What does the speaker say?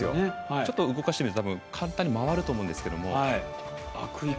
ちょっと動かしてみると簡単に回ると思うんですけど。